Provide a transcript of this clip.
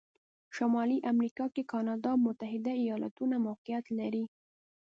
شمالي امریکا کې کانادا او متحتد ایالتونه موقعیت لري.